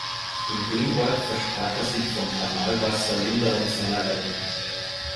In dem Ort versprach er sich vom Thermalwasser Linderung seiner Leiden.